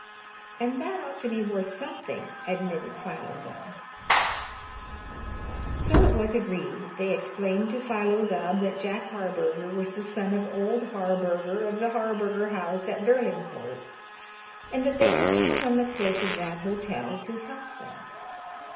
"And that ought to be worth something," admitted Philo Gubb. So it was agreed. They explained to Philo Gubb that Jack Harburger was the son of old Harburger of the Harburger House at Derlingport, and that they could count on the clerk of that hotel to help them.